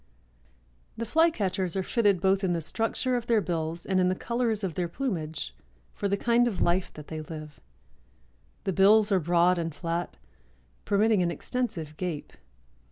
'" The Flycatchers are fitted both in the structure of their bills and in the colors of their plumage for the kind of life that they live. The bills are broad and flat, permitting an extensive gape.